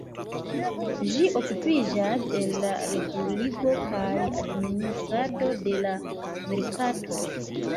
Ĝi okupiĝas el la reguligo kaj administrado de la merkatoj.